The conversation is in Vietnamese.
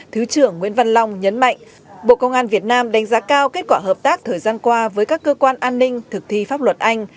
thứ trưởng nguyễn văn long nhấn mạnh bộ công an việt nam đánh giá cao kết quả hợp tác thời gian qua với các cơ quan an ninh thực thi pháp luật anh